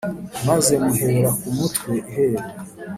maze muhera ku mutwe iheru